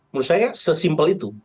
menurut saya sesimpel itu